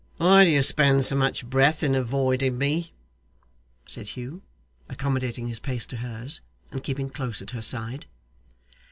'Why do you spend so much breath in avoiding me?' said Hugh, accommodating his pace to hers, and keeping close at her side.